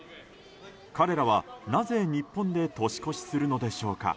彼らはなぜ日本で年越しするのでしょうか。